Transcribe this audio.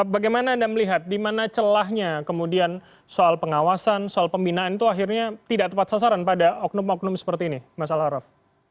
bagaimana anda melihat di mana celahnya kemudian soal pengawasan soal pembinaan itu akhirnya tidak tepat sasaran pada oknum oknum seperti ini mas al araf